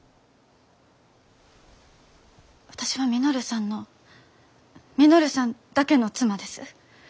私は稔さんの稔さんだけの妻です。